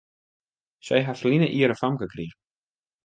Sy ha ferline jier in famke krigen.